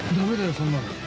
そんなの。